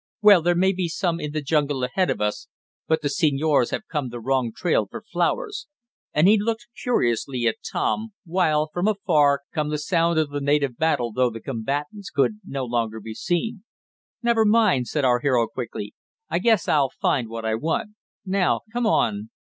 "Well, there may be some in the jungle ahead of us, but the senors have come the wrong trail for flowers," and he looked curiously at Tom, while, from afar, come the sound of the native battle though the combatants could no longer be seen. "Never mind," said our hero quickly. "I guess I'll find what I want. Now come on."